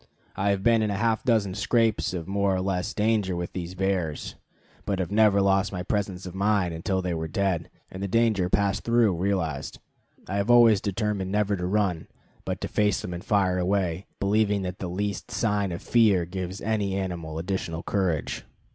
I have been in half a dozen scrapes of more or less danger with these bears, but have never lost my presence of mind until they were dead, and the danger passed through realized. I have always determined never to run, but to face them and fire away, believing that the least sign of fear gives any animal additional courage.